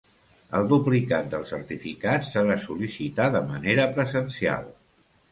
El duplicat del certificat s'ha de sol·licitar de manera presencial.